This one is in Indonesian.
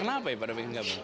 kenapa ya pada pengen gabung